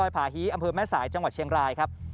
ผาฮีอำเภอแม่สายจังหวัดเชียงรายครับ